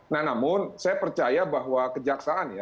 nah namun saya percaya bahwa kejaksaan ya